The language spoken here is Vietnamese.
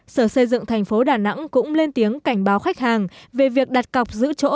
sở xây dựng thành phố đà nẵng cũng lên tiếng cảnh báo khách hàng về việc đặt cọc giữ chỗ